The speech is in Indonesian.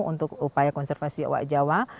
untuk upaya konservasi owak jawa